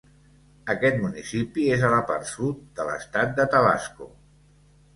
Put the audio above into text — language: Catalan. Aquest municipi és a la part sud de l'estat de Tabasco.